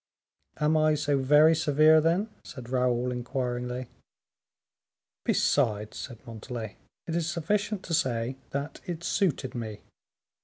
"Am I so very severe, then?" said Raoul, inquiringly. "Besides," said Montalais, "it is sufficient to say that it suited me.